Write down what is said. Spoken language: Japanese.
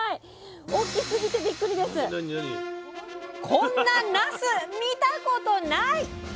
こんななす見たことない！